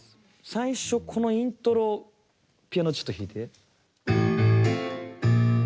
最初このイントロピアノちょっと弾いて。